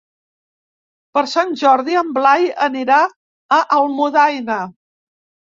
Per Sant Jordi en Blai anirà a Almudaina.